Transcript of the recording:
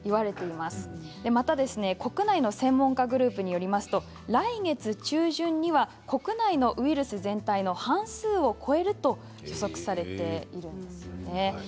また国内の専門家グループによると来月中旬には国内のウイルス全体の半数を超えると予測されているんですよね。